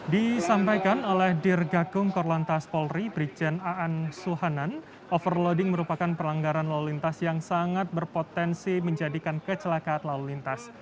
disampaikan oleh dirgakum korlantas polri brigjen aan suhanan overloading merupakan pelanggaran lalu lintas yang sangat berpotensi menjadikan kecelakaan lalu lintas